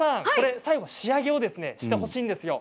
最後仕上げをしてほしいんですよ。